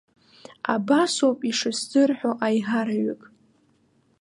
Абасоуп ишысзырҳәо аиҳараҩык.